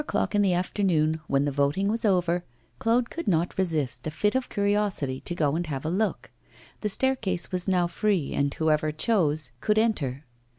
At four o'clock in the afternoon, when the voting was over, Claude could not resist a fit of curiosity to go and have a look. The staircase was now free, and whoever chose could enter.